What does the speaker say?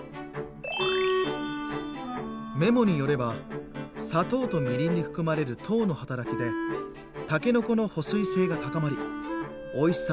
メモによれば「砂糖とみりんに含まれる糖の働きでたけのこの保水性が高まりおいしさを保つことができる」。